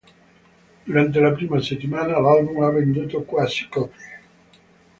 Durante la prima settimana, l'album ha venduto quasi copie.